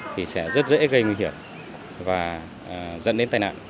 thì sẽ rất dễ gây nguy hiểm và dẫn đến tai nạn